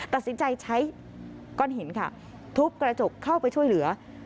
ตัดสินใจใช้ก้อนหินค่ะทุบกระจกเข้าไปช่วยเหลือ